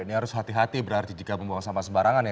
ini harus hati hati berarti jika membuang sampah sembarangan ya